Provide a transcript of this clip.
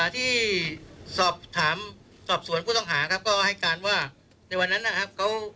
ที่สอบถามสอบสวนผู้ต้องหาครับก็ให้การว่าในวันนั้นนะครับ